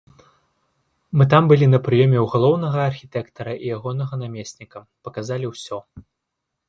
Мы там былі на прыёме ў галоўнага архітэктара і ягонага намесніка, паказалі ўсё.